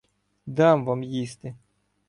Дам вам їсти.